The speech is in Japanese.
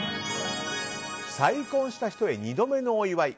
再婚した人へ２度目のお祝い。